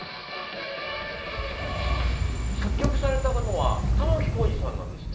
作曲されたのは玉置浩二さんなんですね。